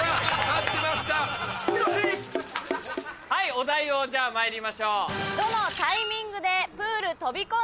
・お題をじゃあまいりましょう。